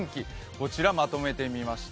こちらにまとめてみました。